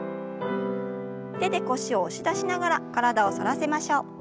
手で腰を押し出しながら体を反らせましょう。